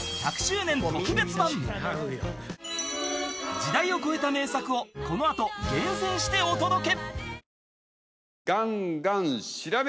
［時代を超えた名作をこの後厳選してお届け］